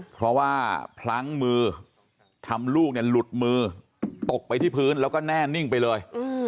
เพราะว่าพลั้งมือทำลูกเนี่ยหลุดมือตกไปที่พื้นแล้วก็แน่นิ่งไปเลย